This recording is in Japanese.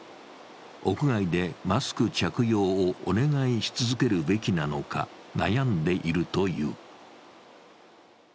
屋外でマスク着用をお願いし続けるべきなのか、悩んでいるという。